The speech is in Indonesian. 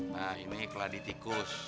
nah ini keladi tikus